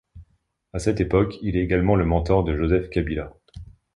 À cette époque, il est également le mentor de Joseph Kabila.